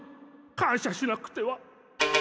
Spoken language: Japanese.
かんしゃしなくては。